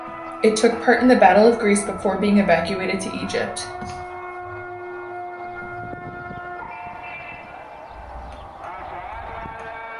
It took part in the Battle of Greece before being evacuated to Egypt.